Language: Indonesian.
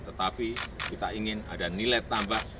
tetapi kita ingin ada nilai tambah